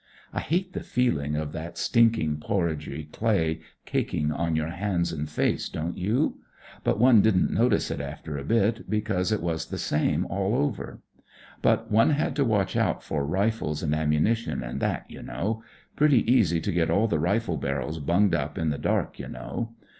I hate the feeling of that stinking porridgey clay caking on your hands and face, don't you ? But one didn't notice it, after a bit, because it was the same all over. But one had to watch out for rifles and ammunition, and that, you know. Pretty easy to get all the rifle barrels bunged up, in the dark, you know.